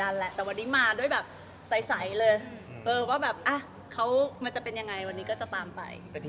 เนื้อหอมไง